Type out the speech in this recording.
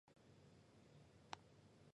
甘肃灵川县人。